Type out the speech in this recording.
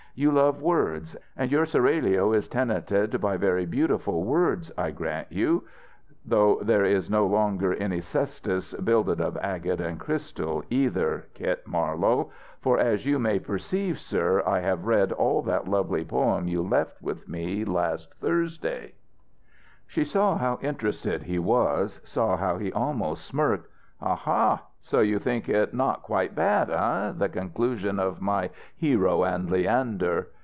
You love words. And your seraglio is tenanted by very beautiful words, I grant you, thought there is no longer any Sestos builded of agate and crystal, either, Kit Marlowe. For, as you may perceive, sir, I have read all that lovely poem you left with me last Thursday " She saw how interested he was, saw how he almost smirked. "Aha, so you think it not quite bad, eh, the conclusion of my 'Hero and Leander'?"